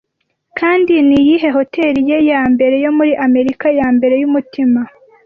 Kandi niyihe hoteri ye ya mbere yo muri Amerika Yambere Yumutima